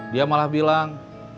dia malah bilang